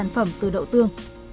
sản phẩm từ đậu tương